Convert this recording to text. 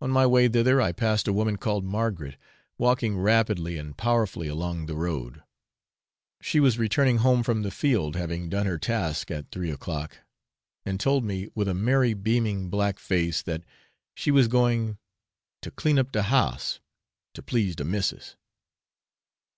On my way thither, I passed a woman called Margaret walking rapidly and powerfully along the road. She was returning home from the field, having done her task at three o'clock; and told me, with a merry beaming black face, that she was going 'to clean up de house, to please de missis.'